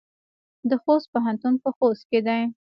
د خوست پوهنتون په خوست کې دی